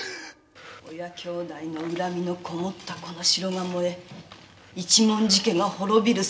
親きょうだいの恨みのこもったこの城が燃え一文字家が滅びる